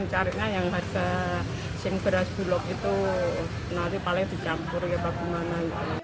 mencarinya yang harga sing beras buluk itu nanti paling dicampur ya bagaimana